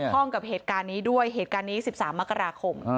ข้องกับเหตุการณ์นี้ด้วยเหตุการณ์นี้๑๓มกราคม